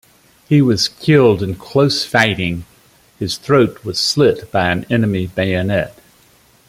He was killed in close fighting; his throat was slit by an enemy bayonet.